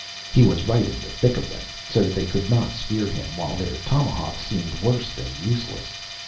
He was right in the thick of them, so that they could not spear him, while their tomahawks seemed worse than useless.